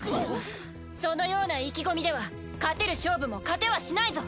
そのような意気込みでは勝てる勝負も勝てはしないぞ！